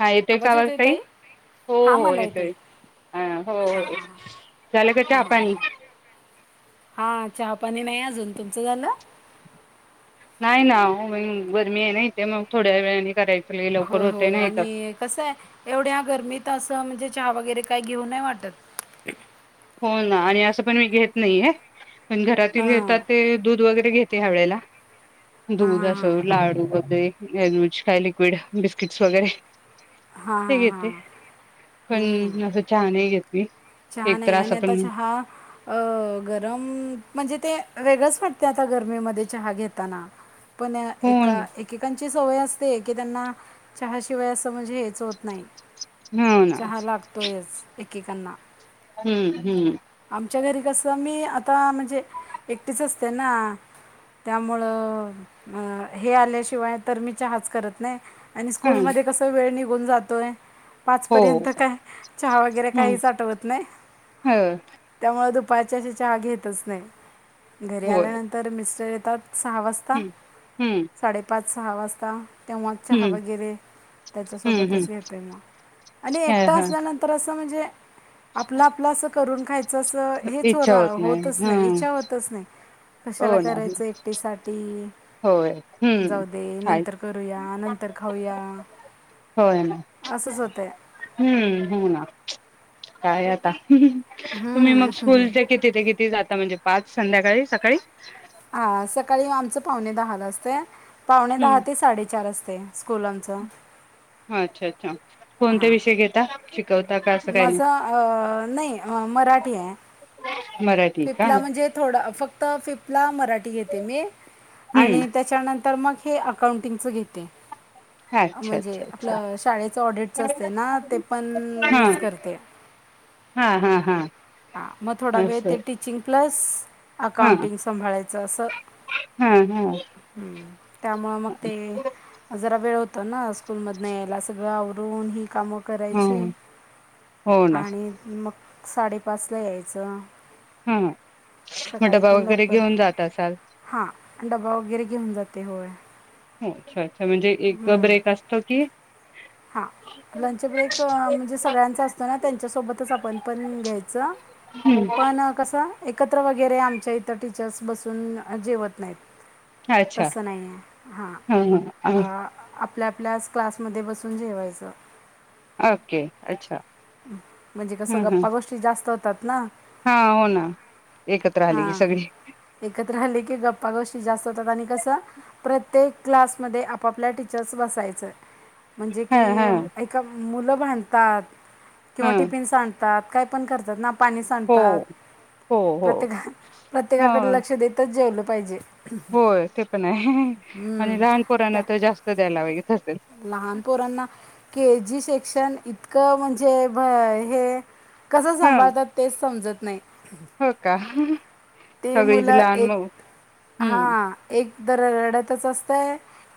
हा येतोय का? आवाज ताई हो हां हो मला येतोय अ हो हो झालं का चहापाणी. हा चहापाणी नाही अजून तुमचं झालं? नाही ना म गरमी ना इथे मग थोड्या वेळाने कराय हो हो आणि [inaudible] कसय एवढ्या गरमीत असं [unintelligible] म्हणजे चहा वगैरे काही घेऊ नाही वाटत हो ना आणि असं पण मी घेत नाहीये. पण घरातील हां घेतात ते दूध वगैरे घेत ते ह्या वेळेला हां दूध हां असं लाडू वगैरे गेलोच काय लिक्विड, बिस्किट्स वगैरे हां हां ते हां घेते हां हम्म. पण असं चहा नाही घेत चहा एक तर असं नाही [unintelligible] पण चहा य गरम म्हणजे ते वेगळच वाटत आता गरमीमध्ये चहा घेताना पण हो एका एकेकांन ची सवय असते एकेकांना चहाशिवाय अस म्हणजे हेच होत नाही हो ना केकांना हम्म हम्म आमच्या घरी कस मी आत आता म्हणजे एकटीच असते ना त्यामुळं अ हे आल्याशिवाय तर मी चहाच करत नही आणि हा स्कूल मध्ये कस वेळ निघ गुण जातोय हो पाचपर्यंत काय चहा वगैरे काहीच आठवत हं म दुपारच्या अशी चहा घेतच नाही घरी होय आल्यानंतर मिस्टर तर सहा वाजता हम्म हम्म साडेपाच सहा वाजता तेव्हा चहा हम्म. वगैरे हम्म हम्म त्याच्यासोबतच घेते मग आणि हा एकटा हा असल्यानंतर अस त म्हणजे आपलं आपलं असं करून खाय च स हेच हो इच्छा रा होत होतच नाही, हम्म इच्छा होतच नाही कशाला हो ना करायचं एकटीसाठी ह होय हूं हाय करूया नंतर खाऊया होय ना असंच होतं आहे हूं हो ना काय आता तुम्ही मग स्कूलचे किती ते किती जात म्हणजे पाच संध्याकाळी सकाळी हा सकाळी आमचं पाहुणे दहा ला असते पावणे दहा ते साडेचार असतय हाँ अच्छा अच्छा कोणते विषय घेता शिकवता का असं काही माझा नाही अं नाही अं मराठी आहे मराठी का तिथला मंजे थोडा फक्त फिफ्थला मराठी घेते मी हम्म आणी त्याचा न तर मग हे अकॉउंटिंगच घेते अच्छा मंजे अच्छा आपल अच्छा शाळेचं ऑडिट च असते ना ते पण हा मीच त्या हा हा हा हा मग थोडा वेळ असं तर टीचिंग क्लास हा अकाउंटिंग सांभाळायचं असं हा हा हं त्यामुळं मग ते जरा वेळ होता न स्कूल मधन यायला सगळं आवरून ही कामं हो करायची हो ना आणि मग साडे पाचला यायचं हा मग सकाळी डबा पण वगैरे लवकर घेऊन जात असाल हा डब्बा वगैरे घेऊन जात ते होय हं अच्छा अच्छा म्हणजे एक ब्रेक असतो की हा मुलांचा ब्रेक म्हणजे सगळ्यांचा असतो ना त्यांच्या सोबतच आपण पण घ्यायचं हम्म पण कस एक एकत्र वगैरे आमच्या इथ टीचर्स बसून जेवत नाहीत अच्छा तसं नाहीये हा ह ह आ आ आपल्या आपल्या क्लास मध्ये बसू न जेवायचं ओके अच्छा हं हं तात ना हा हो ना एकत्र आले की हां सगळी एकत्र आले की गप्पा गोष्टी जास्त तर आणि कस प्रत्येक क्लास मधे आपआपल्या टीचर्स बसायचं म्हणजे हा हा की एका मुलं भांडतात किंवा हा टिफीन सांडत तात काय पण करतात ना पाणी हो सांडतात हो हो प्रत्येक हा प्रत्येकाकड लक्ष देतच जेवल पाहिजे होय ते पण आहे आणि हम्म. लहान पोराना त्या तर जास्त द्यावा लागत असेल लहान के जीे सेक्शन इतक म्हणजे भ हे कसं हा सांभाळतात तेच समजत नाही हो का ते सगळीच मुलं लहान एक मग हम्म हा एक तर रडतच असतंय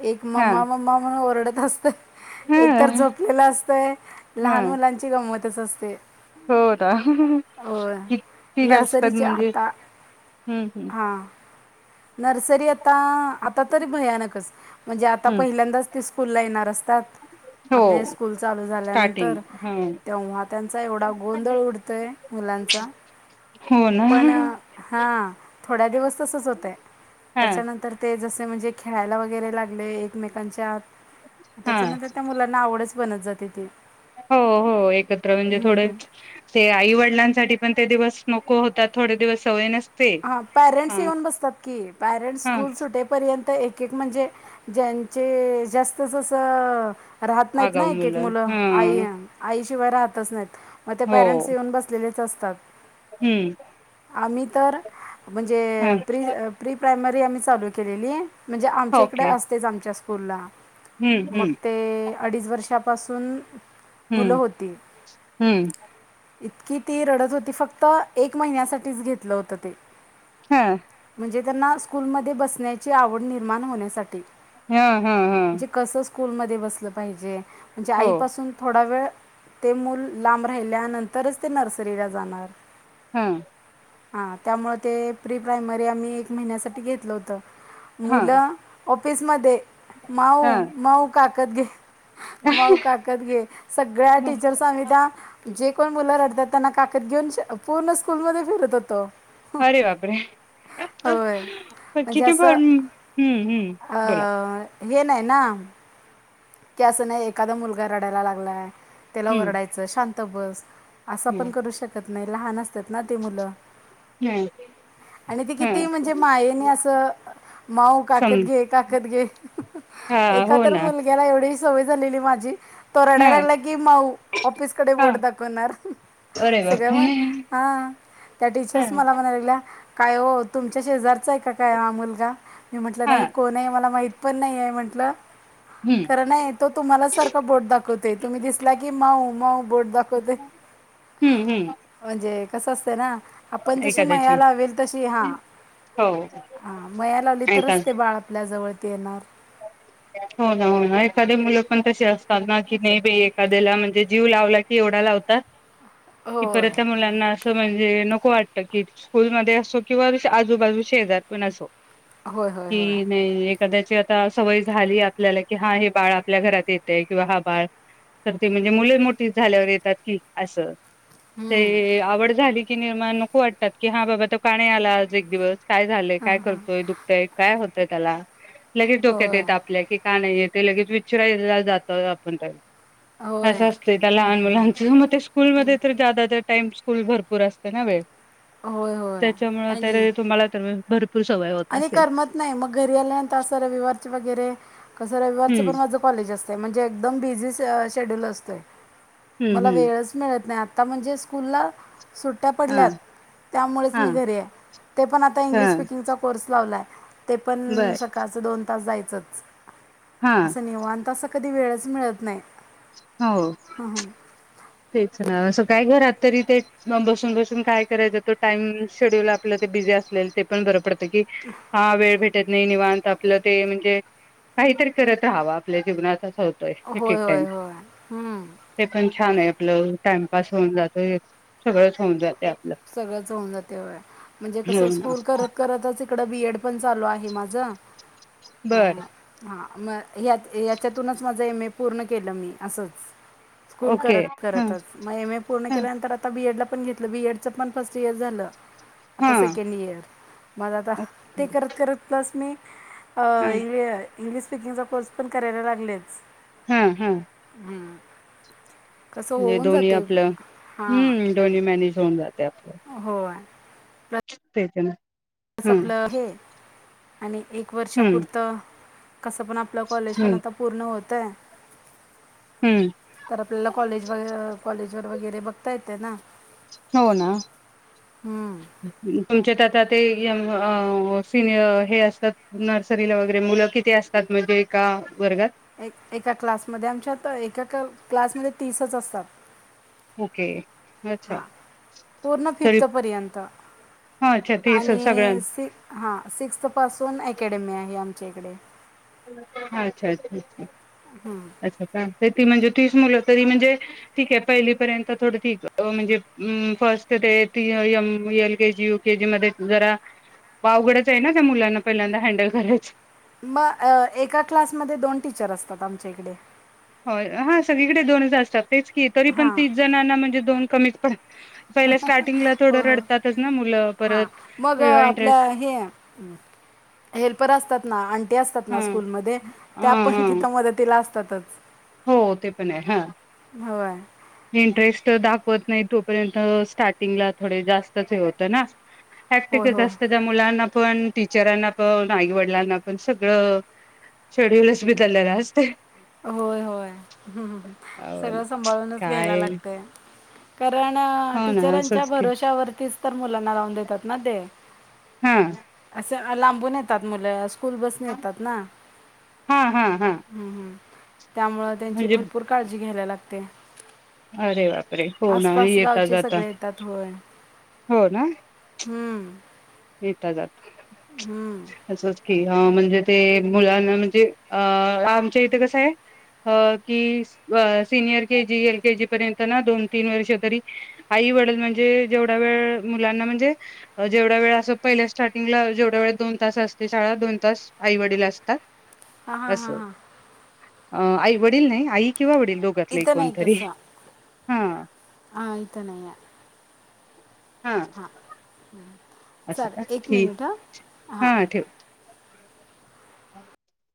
एक हा मम्मा मम्मा म्हनून ओरड ते हसतय. एकतर हा झोपलेल असतंय हा लहान मुलांची गंमत तेस असतयजल. हो अता किती जास्त हाईत नर्सरीचे म्हणजे आता ह ह हां नर्सरी आता-आता तरी भयानकच म्हणजे आता हम्म पहिल्यांदाच ते स्कूल ला येणार अस त्याात हो आपले स्कूल चालू स्टार्टिंग झाल्यानंतर तेव्हा त्यांचा एवढा हा गोंधळ उडतोय. मुलांचा हो ना पण हां थोड्या दिवस तसंच होतय. हा त्याच्यानंतर ते जस म्हणजे खेळायला वगैरे लागले एकमेकांच्यात हा त्याच्यानंतर त्या मुलांना आवडच बनत जाते ती. हो हो हो एकत्र म्हणजे थोड ते आईवडिलांसाठी पण ते दिवस नको होतात थोडे दिवस सवय नस हा पेरेंट्स येऊन बसतात की, पेरेंट्स हा स्कूल सुटे पर्यंत तर एक-एक म्हणजे ज्यांचे जास्त जस अ राहत नाहीत ना आगाऊ एक-एक मुलं मुल हा आई-आई शि शिवाय राहतच नाहीत. मग ते हो पेरेंट्स येऊन बसलेलेच अस तात हम्म आम्ही तर म्हणजे हा प्री प्रायमरी ते आम्ही चालू केलेली. म्हणजे आमच्या इकड ओके असतेच आमच्या उरला हम्म मग हम्म ते अडीच वर्षापासून हूं मुलं होती हूं इतकी ती रडत होती फक्त एक महिन्यासाठीच घेतल होत. ते हा म्हणजे त्यांना स्कूलमध्ये बसण्याची आवड निर्माण होण्यासाठी हम् हम्म हम् कसं स्कूलमध्ये बसलं पाहिजे म्हणजे आईपासून थोडा वेळ ते मूल लांब राहिल्यानंतरच ते नर्सरीला जाणार हम्म हा त्यामुळं ते प्री प्रायमरी आम्ही एक महिन्यासाठी घेतलं होतं हा मुलं?? ऑफिसमध्ये हा माऊ माऊ काट काकत घे माऊ काकत सघे सगळ्या टीचर सांगित्या जे कोण मुलं रडतात त्यांना काकत घेऊन पूर्ण स्कूलमध्ये फिरत होतो.. अरे बापरेह हा होय ह म्हणजे किती फर असं हम्म हम्म बोला... अं, हे नाही ना......... की असं नाही एखादा मुलगा रडायला लागलाय त्याला हम्म ओरडायचं.... शांत इथ बस.. असं पण हम्म करू शकत... नाही लहानच ते मुलं आणि त ह किती म्हणजे ह मायेने अस माऊ काकत सम घे काकत घे हा एका हो तर ना मुलग... एवढी सवय झालेली माझी.. तो रडायला हा लागला की माऊ ऑफिसकडे हा बोट दाखवणार अरे सगळ बापरे म हा त्या हा टीचर्स मला म्हणायला लागल्या....... काय हो तुमच्या शेजारचं आहे का काय ह मुलगा मी म्हटलं हा नाही कोण आहे मला माहिती पण नाही ये म्हटलं हम्म खर नाही तो तुम्हाला सारखा बोट दाखवते तुम्ही दिसला की माऊ माऊ बोट दाखवते हम्म हम्म म्हणजे कसं असतं ना आपण जशी एखाद्याची मया लावेल तशी हा हो हा मया लावली तरच ते बाळ आपल्या जवळ.. पेनार.... घ्या.... हो ना हो ना एखादी मुलं पण तसे असतात ना की नाही बा एखाद्याला म्हणजे जीव लावला की एवढा लावतात कि होय परत त्या मुलांना म्हणजे नको वाटत कि स्कूल मध्ये असो किंवा आजूबाजू शेजार पण असो... होय होय होय कदाचत आता सवय झाली आपल्याला कि हा हे बाळ आपल्या घरात येते किंवा हा बाळ तर ते म्हणजे मुले मोठी झाल्यावर येतात की असं ते हम्म. ए आवड झाली. की निर्माण नको वाटतात की हा बाबा तो काणी आला आज एक दिवस. काय झालंय? हा, काय हा. करतोय? दुखतय काय हो तर त्याला लगेच डोक्यात होय येत आपल्या की का नाही येत. ते लगेच विचरायला जातोय आपण काय. होय असं असतय त्या हं. लहान मुलांच मग ते स्कूलमध्ये तर ज्यादा तर टाईम स्कूल भरपूर असते ना वेळ. होय होय त्याच्यामुळ तर आणि त्या तुम्हाला तर भरपूर सवय होत आणि असेल करमत नाही मग घरी आल्यानं असं अता रविवार च वगैरे कस रविवारचं हम्म पण माझं कॉलेज असतं. ते म्हणजे एकदम बिझी से अ शेड्यूल असतय. हम्म मला हम्म वेळच मिळत नाही आ आता म्हणजे स्कूलला सुट्ट्या हा पडल्यात त्यामुळेच मी हा घरी आहे ते पण आता इंग्लिश हा स्पीकिंगचा पर्स लावला आहे. ते पण बर सकाळचं दोन तास जायचंच हा असं निवांत असा कधी वेळच स्मळत नाही. हो तेच ना असं काय घरात तरी ते बसून बसून काय करायचं तो टाइम शेड्यूल आपल्या ते बिझी असलेल ते पण बर पड ते की हा वेळ भेट त्यातनी निवांत आपलं ते म्हणजे काहीतरी करत राहावं आपल्या जीवनाचा शोध इफेक्ट होय टाइम होय होय हं. ते पण छान आहे. आपलं टाइमपास होऊन जातय सगळंच होऊन जातय आपलं सगळंच होऊन जाते वेळ म्हणजे हो कसं ना स्कूल करत करतच इकडं बीएड पण चालू आहे माझं. अं बर हा म ह्यात याच्यातूनच माझं एम ए... पूर्ण केलं मी असंच.. स्कूल ओके करत हा करतच मग एम ए पूर्ण हा केल्यानंतर आता बीएड ला पण घेत... बीए ड... तिच पन फर्स्ट इयर झालं आता हा सेकंड इयर मग आता ते ओके करत करत पस मी अ हा इंग.... इंग्लिश स्पीिकिंगचा कोर्स पण करायला लागलेच. हा हा हम्म म्हणजे दोन्ही आपलं हां हम्म दोन्ही मॅनेज होऊन जात... होय..... तेच ना.... हम्म सपलं हे..... आणि एक हम्म वर्षापुरतं? कसं पण आपलं कॉलेज पण हम्म आता पूर्ण होत त्ते.... हम्म तर आपल्याला कॉलेज व कॉलेज... जर वगैरे बघता येते ना? हो ना हम्म. तुमच्या त्या ते य आ सिनियर हे असतात नर्सरीला वगैरे मुलं किथ असतात म्हणजे का? एक एका क्लासमध्ये आमच्यात एकाक.... क्लासमध्ये तीसच असतात. ओके अच्छा हा पूर्ण फी तरी फ्त पर्यंत हा अच्छा ते आणि सगळ्यां सिक् हा सिक्स पासून अकॅडमी आहे आम...... ये इकडे.... ा अच्छा अच्छा अच्छा....... अस का ते ती म्हणजे..... तीच मुलं तरी म्हणजे ठीके पहिलीपर्यंत थोड ठी म्हणजे फर्स्ट ते ती म एल केजी यू केेजी मध्ये जरा अवघडच आहे ना त्या मुलांना पहिल्यांदा हँडल करायच. म अ एका क्लासमध्ये दोन टीचर असतात आमच्या इकडे.. होय हा सगळीकडे दोनच असतात...... तेच की तरी पण तीस जणांना म्हणजे दोन कमी.... ह ह हा हो हो रडतातच ना मुलं हा परत मग वेगळा आपल्या इंटरेस्ट हे हेल्पर असतात ना अंटी असतात ना हा स्कूल मध्ये ह त्या पण हा तिथ मदतीला अस...... ततच हो ते पण आहे होय हं इंटरेस्ट दाखवत..... नाय तोपर्यंत स्टार्टिंगला थोडे जास्तच हे होतं ना होय हेकटिकच होय असत त्या मुलांना पण टीचरांना पण आईवडिलांना पण सगळं शेड्यूलच बिदरलेलंच असतय. [inaudible] होय होय हम् हम् हम् हो सगळं ना सांभाळूनच घ्यायला काय लागतय.... कारण हो ना टीचरांच्या असंच की भरोश्यावरतीच तर मुलांना लावून देतात ना ते हा असं लांबून येतात मुलं स्कूल बसने येतात ना हा हा हा हम् हम्म.. त्यामुळ त्यांची म्हणजे भरपूर काळजी ती घ्यायला लागते. अरे बापरे हो ना आसपास येता गावचे जाता सगळे येतात होय हो ना हम्म, येता जात हम्म. अच् असच कि हं‌ म्हणजे ते मुलांना म्हणजे अ आमच्या इथे कसय अ की अ सिनियर केजी एल केजी पर्यंत ना दोन तीन वर्ष तरी आई वडील म्हणजे जेवढा वेळ मुलांना म्हणजे अ जेवढा वेळ पहिल्या स्टार्टिंगला जेवढे वेळ दोन तास असते शाळा दोन तास आईवडील असतात... हां हां अस हां अ हां आई वडील नाही आई किवा वडील दोघातले इथं नाही कोणतरी तसं हां हां हा हम् असं का ठीक हां हा ठेव. [unintelligible]